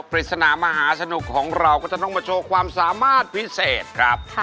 ปริศนามหาสนุกของเราก็จะต้องมาโชว์ความสามารถพิเศษครับ